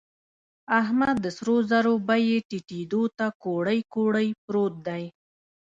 احمد د سرو زرو بيې ټيټېدو ته کوړۍ کوړۍ پروت دی.